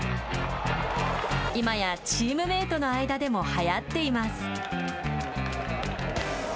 今や、チームメートの間でもはやっています。